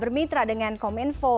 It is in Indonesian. bermitra dengan kominfo